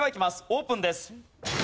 オープンです。